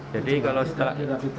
jadi kalau setelah